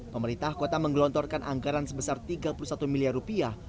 pemerintah kota menggelontorkan anggaran sebesar tiga puluh satu miliar rupiah